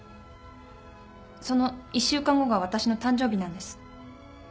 その１週間後が私の誕生日なんです。